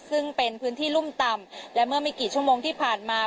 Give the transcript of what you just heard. ซึ่งเป็นพื้นที่รุ่มต่ำและเมื่อไม่กี่ชั่วโมงที่ผ่านมา